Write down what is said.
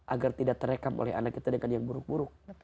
agar tidak terekam oleh anak kita dengan yang buruk buruk